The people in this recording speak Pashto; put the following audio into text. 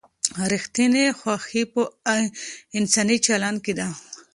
ریښتینې خوښي په انساني چلند کې ده.